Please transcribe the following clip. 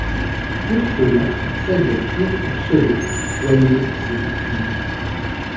Pour cela, Marcel Delcourt pour sauver, soigner ces victimes.